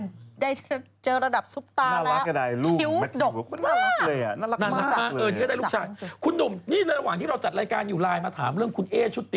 ได้เจอระดับซุฟตาแล้วคิวดอกมากชุม